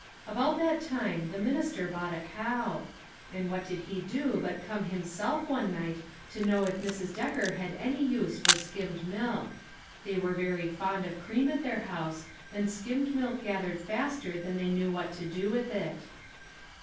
About that time the minister bought a cow, and what did he do but come himself one night to know if Mrs. Decker had any use for skimmed milk ; they were very fond of cream at their house, and skimmed milk gath ered faster than they knew what to do witli it.